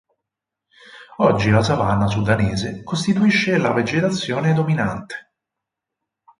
Oggi la savana sudanese costituisce la vegetazione dominante.